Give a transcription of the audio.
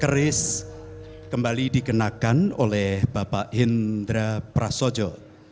keris kembali dikenakan oleh bapak hendra prasojo